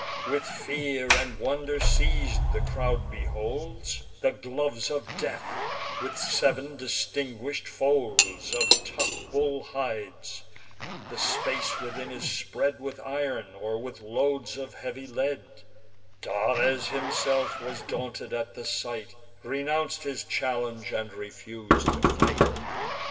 With fear and wonder seiz'd, the crowd beholds The gloves of death, with sev'n distinguish'd folds Of tough bull hides; the space within is spread With iron, or with loads of heavy lead: Dares himself was daunted at the sight, Renounc'd his challenge, and refus'd to fight.